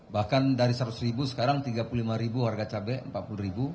bahkan dari seratus ribu sekarang tiga puluh lima ribu harga cabai empat puluh ribu